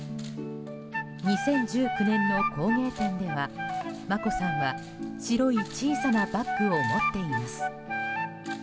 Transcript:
２０１９年の工芸展では眞子さんは白い小さなバッグを持っています。